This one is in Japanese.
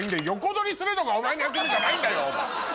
横取りするのがお前の役目じゃないんだよ。